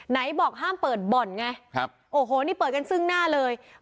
ไหนบอกห้ามเปิดบ่อนไงครับโอ้โหนี่เปิดกันซึ่งหน้าเลย